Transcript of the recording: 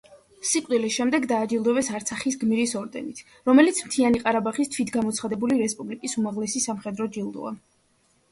სიკვდილის შემდეგ დააჯილდოვეს არცახის გმირის ორდენით, რომელიც მთიანი ყარაბაღის თვითგამოცხადებული რესპუბლიკის უმაღლესი სამხედრო ჯილდოა.